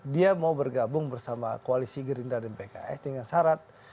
dia mau bergabung bersama koalisi gerindra dan pks dengan syarat